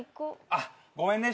あっごめんね